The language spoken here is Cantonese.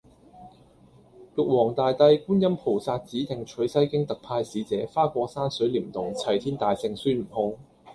玉皇大帝觀音菩薩指定取西經特派使者花果山水簾洞齊天大聖孫悟空